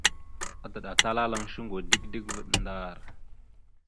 Adəɗatalalaŋ shungo dik dik vvaɗ ndar.